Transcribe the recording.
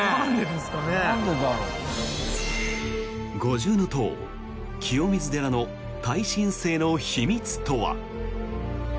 五重塔、清水寺の耐震性の秘密とは？